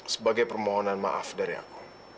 sebagai permohonan maaf dari aku